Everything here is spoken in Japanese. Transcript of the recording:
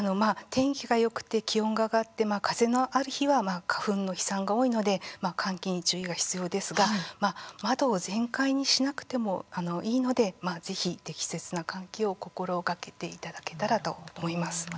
天気がよく気温が上がって風のある日は花粉の飛散が多いので換気に注意が必要ですが窓を全開にしなくてもいいのでぜひ、適切な換気を心がけていただけたらと思います。